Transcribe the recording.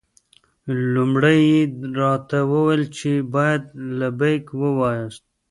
لومړی یې راته وویل چې باید لبیک ووایاست.